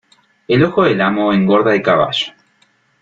El ojo del amo, engorda al caballo.